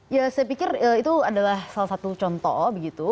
ya saya pikir itu adalah salah satu contoh begitu